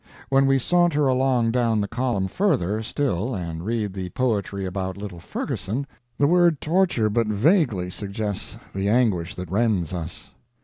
When we saunter along down the column further still and read the poetry about little Ferguson, the word torture but vaguely suggests the anguish that rends us.